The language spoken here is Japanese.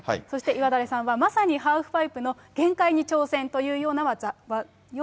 そして岩垂さんはまさにハーフパイプの限界に挑戦というような技。